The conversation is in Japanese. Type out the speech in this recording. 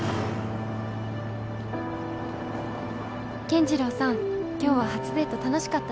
「賢次郎さん、今日は初デート楽しかったね